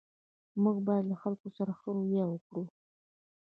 موږ باید د خلګو سره ښه رویه وکړو